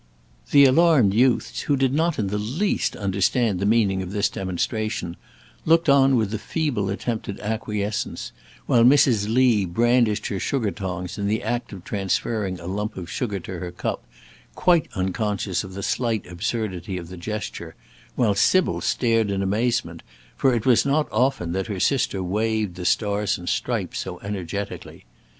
The alarmed youths, who did not in the least understand the meaning of this demonstration, looked on with a feeble attempt at acquiescence, while Mrs. Lee brandished her sugar tongs in the act of transferring a lump of sugar to her cup, quite unconscious of the slight absurdity of the gesture, while Sybil stared in amazement, for it was not often that her sister waved the stars and stripes so energetically.